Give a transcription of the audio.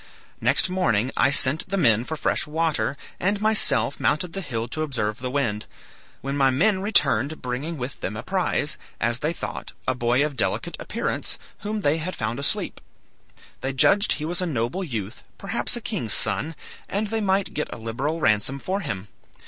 Next morning I sent the men for fresh water, and myself mounted the hill to observe the wind; when my men returned bringing with them a prize, as they thought, a boy of delicate appearance, whom they had found asleep. They judged he was a noble youth, perhaps a king's son, and they might get a liberal ransom for him.